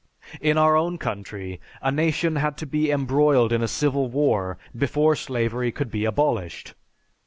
In our own country, a nation had to be embroiled in a civil war before slavery could be abolished.